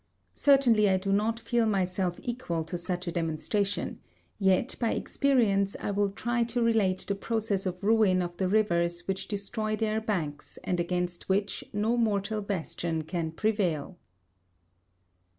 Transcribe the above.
Certainly I do not feel myself equal to such a demonstration, yet by experience I will try to relate the process of ruin of the rivers which destroy their banks and against which no mortal bastion can prevail.